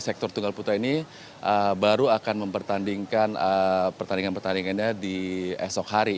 sektor tunggal putra ini baru akan mempertandingkan pertandingan pertandingannya di esok hari